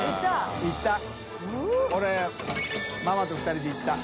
俺ママと２人で行った。